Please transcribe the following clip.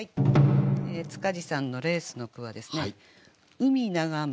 塚地さんの「レース」の句は「海眺む